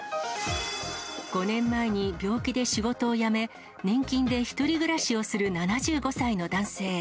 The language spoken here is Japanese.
５年前に病気で仕事を辞め、年金で１人暮らしをする７５歳の男性。